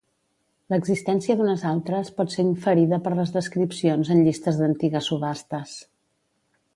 L'existència d'unes altres pot ser inferida de les descripcions en llistes d'antigues subhastes.